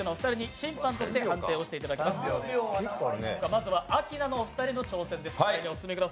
まずはアキナのお二人の挑戦です。